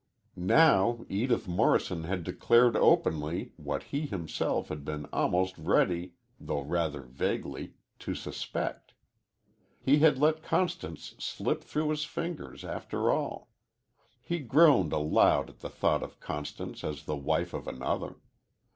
Now, Edith Morrison had declared openly what he himself had been almost ready, though rather vaguely, to suspect. He had let Constance slip through his fingers after all. He groaned aloud at the thought of Constance as the wife of another.